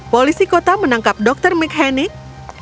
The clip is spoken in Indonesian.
polisi kota menangkap dr mckenic